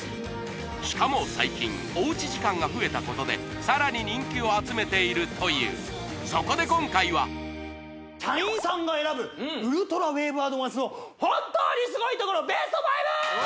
しかも最近おうち時間が増えたことでさらに人気を集めているというそこで今回は社員さんが選ぶウルトラウェーブアドバンスの本当にスゴいところベスト５！